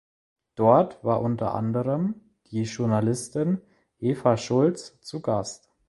Dort war unter anderem die Journalistin Eva Schulz zu Gast.